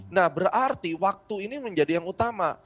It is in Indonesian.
nah berarti waktu ini menjadi yang utama